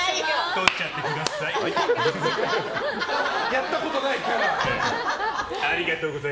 撮っちゃってくださいっ。